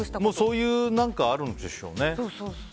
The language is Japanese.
そういう何かがあるんでしょうね。